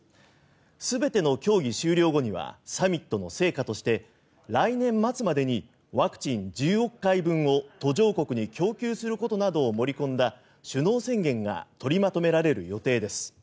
全ての協議終了後にはサミットの成果として来年末までにワクチン１０億回分を途上国に供給することなどを盛り込んだ首脳宣言が取りまとめられる予定です。